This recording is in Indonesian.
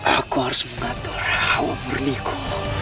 aku harus mengatur hawa berliku